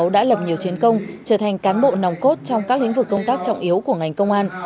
đã lập nhiều chiến công trở thành cán bộ nòng cốt trong các lĩnh vực công tác trọng yếu của ngành công an